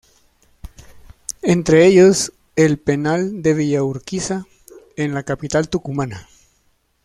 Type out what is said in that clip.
Entre ellos el penal de Villa Urquiza, en la capital tucumana.